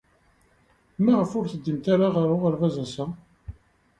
Maɣef ur teddimt ara ɣer uɣerbaz ass-a?